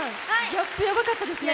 ギャップやばかったですね。